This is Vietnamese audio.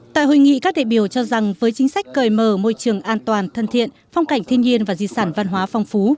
tại hội nghị các đại biểu cho rằng với chính sách cởi mở môi trường an toàn thân thiện phong cảnh thiên nhiên và di sản văn hóa phong phú